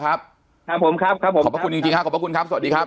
ครับครับผมครับครับผมขอบพระคุณจริงจริงครับขอบพระคุณครับสวัสดีครับ